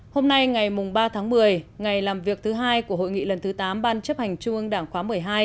hôm nay ngày ba tháng một mươi ngày làm việc thứ hai của hội nghị lần thứ tám ban chấp hành trung ương đảng khóa một mươi hai